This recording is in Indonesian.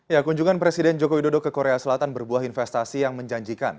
ya kunjungan presiden joko widodo ke korea selatan berbuah investasi yang menjanjikan